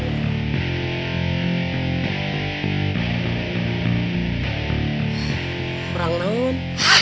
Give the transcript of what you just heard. kalo kamu mau ke tempat yang lain